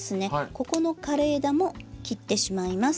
ここの枯れ枝も切ってしまいます。